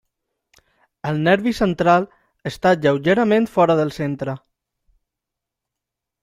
El nervi central està lleugerament fora del centre.